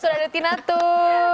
sudah ada tina tuh